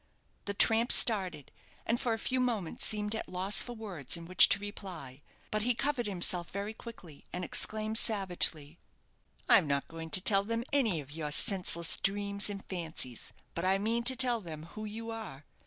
The tramp started, and for a few moments seemed at a loss for words in which to reply. But he recovered himself very quickly, and exclaimed, savagely "I'm not going to tell them any of your senseless dreams and fancies; but I mean to tell them who you are.